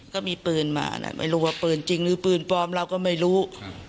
ก็มีปืนมานะไม่รู้ว่าปืนจริงหรือปืนปลอมเราก็ไม่รู้